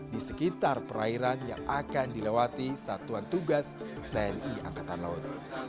di sekitar perairan yang akan dilewati satuan tugas tni angkatan laut